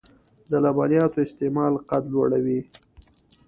د لبنیاتو استعمال قد لوړوي .